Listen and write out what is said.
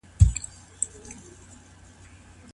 د مېرمني ازادول څنګه د هغې مهر ټاکل کېدای سي؟